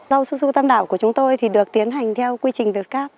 rau su su tam đảo của chúng tôi được tiến hành theo quy trình việt cáp